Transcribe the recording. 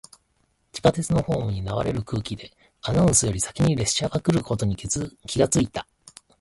地下鉄のホームに流れる空気で、アナウンスより先に列車が来ることに気がついた。